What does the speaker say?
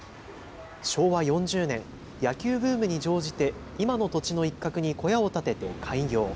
昭和４０年、野球ブームに乗じて今の土地の一角に小屋を建てて開業。